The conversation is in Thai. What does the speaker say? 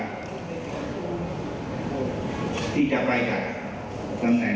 ก็ดูเอาละกันว่าว่าว่าผมทำงานมาตลอดระยะเวลา